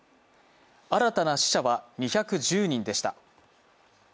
新たな死者は２１０人でした。